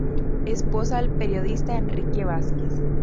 Esposa del periodista Enrique Vázquez.